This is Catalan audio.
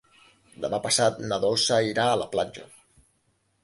Demà passat na Dolça irà a la platja.